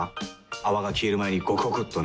泡が消える前にゴクゴクっとね。